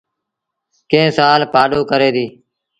ڪݩهݩ سآل پآڏو ڪري ديٚ۔